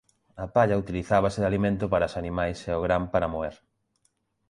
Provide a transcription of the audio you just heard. A palla utilizábase de alimento para os animais e o gran para moer.